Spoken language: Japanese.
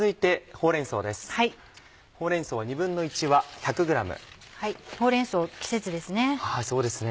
ほうれん草季節ですね。